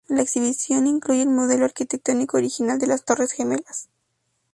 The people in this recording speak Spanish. La exhibición incluye el modelo arquitectónico original de las Torres Gemelas.